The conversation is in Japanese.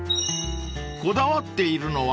［こだわっているのは］